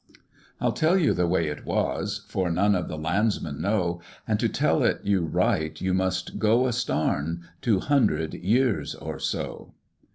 "I'll tell you the way it was (For none of the landsmen know), And to tell it you right, you must go a starn Two hundred years or so.